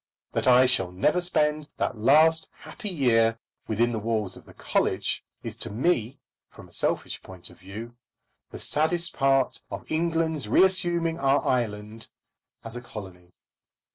That I shall never spend that last happy year within the walls of the college, is to me, from a selfish point of view, the saddest part of England's reassuming our island as a colony.